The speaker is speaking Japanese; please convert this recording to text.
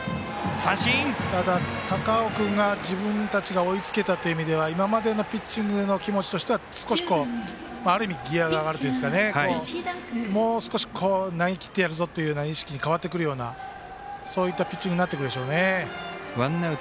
ただ、高尾君が自分たちが追いつけたという意味では今までのピッチングの気持ちとしてはある意味、ギヤが上がるというかもう少し投げきってやるぞという意識に変わってくるようなそういったピッチングになってくるでしょうね。